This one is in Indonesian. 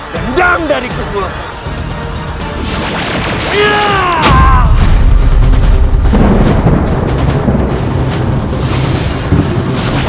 dendam dari kubur